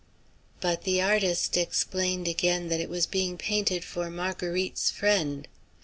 But the artist explained again that it was being painted for Marguerite's friend.